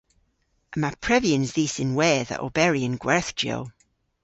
Yma prevyans dhis ynwedh a oberi yn gwerthjiow.